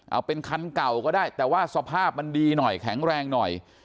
เอาเป็นคันเก่าก็ได้แต่ว่าสภาพมันดีหน่อยแข็งแรงหน่อย